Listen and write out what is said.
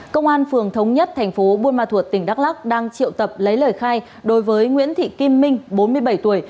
công an phường thống nhất thành phố buôn ma thuột tỉnh đắk lắc đang triệu tập lấy lời khai đối với nguyễn thị kim minh bốn mươi bảy tuổi